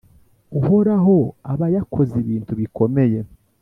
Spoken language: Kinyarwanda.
Uhoraho aba yakoze ibintu bikomeye!»